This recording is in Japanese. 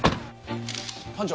班長。